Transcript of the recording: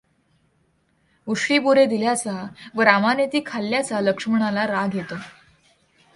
उष्टी बोरे दिल्ल्याचा व रामाने ती खाल्याचा लक्ष्मणाला राग येतो.